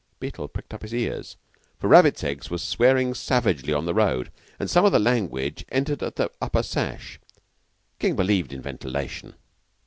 Beetle pricked up his ears, for Rabbits Eggs was swearing savagely on the road, and some of the language entered at the upper sash. King believed in ventilation.